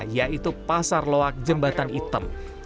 yaitu pasar loak jembatan item